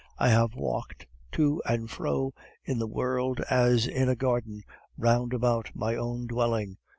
I have walked to and fro in the world as in a garden round about my own dwelling.